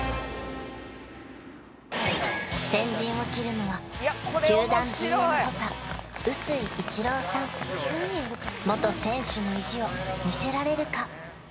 先陣を切るのは元選手の意地を見せられるか？